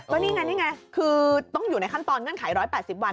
นี่ไงนี่ไงคือต้องอยู่ในขั้นตอนเงื่อนไข๑๘๐วัน